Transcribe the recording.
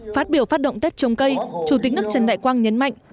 phát biểu phát động tết trồng cây chủ tịch nước trần đại quang nhấn mạnh